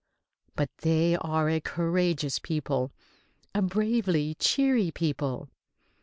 But they are a courageous people, a bravely cheery people.